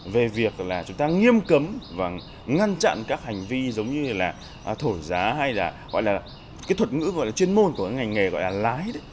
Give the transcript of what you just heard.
về việc chúng ta nghiêm cấm và ngăn chặn các hành vi giống như là thổi giá hay là thuật ngữ chuyên môn của ngành nghề gọi là lái